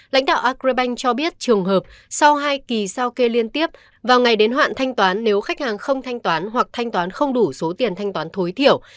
lãnh đạo agribank cho biết trường hợp sau hai kỳ sao kê liên tiếp vào ngày đến hạn thanh toán nếu khách hàng không thanh toán hoặc thanh toán không đủ số tiền thanh toán tối thiểu